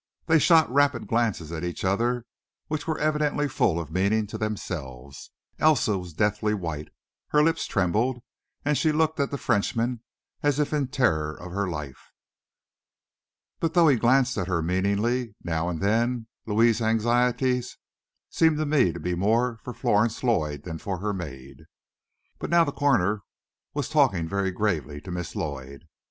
They shot rapid glances at each other, which were evidently full of meaning to themselves. Elsa was deathly white, her lips trembled, and she looked at the Frenchman as if in terror of her life. But though he glanced at her meaningly, now and then, Louis's anxiety seemed to me to be more for Florence Lloyd than for her maid. But now the coroner was talking very gravely to Miss Lloyd.